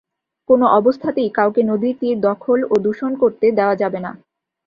কোনো অবস্থাতেই কাউকে নদীর তীর দখল ও দূষণ করতে দেওয়া যাবে না।